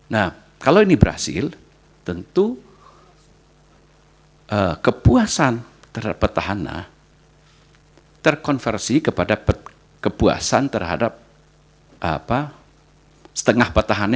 nah kalau ini berhasil tentu kepuasan terhadap petahana terkonversi kepada kepuasan terhadap setengah petahana